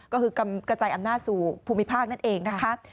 ก็คือกระจายอำนาจสู่ภูมิภาคนั่นเองนะคะ